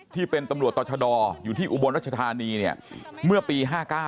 ที่เป็นตำรวจต่อชะดออยู่ที่อุบลรัชธานีเนี่ยเมื่อปี๕๙